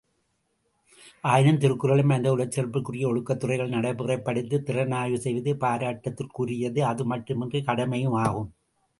ஆயினும் திருக்குறளை மனிதகுலச் சிறப்பிற்குரிய ஒழுக்கத்துறைகளில் நடை முறைப்படுத்தித் திறனாய்வு செய்வதே பாராட்டுதற்குரியது அதுமட்டுமன்று கடமையுமாகும்.